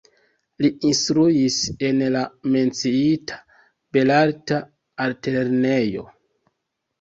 Li instruis en la menciita Belarta Altlernejo.